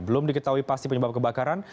belum diketahui pasti penyebab kebakaran